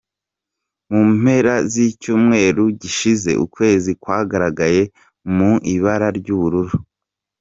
Mu mpera z’icyumweru gishize ukwezi kwagaragaye mu ibara ry’Ubururu